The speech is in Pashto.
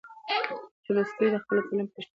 تولستوی د خپلې ټولنې یو ریښتینی انځورګر و.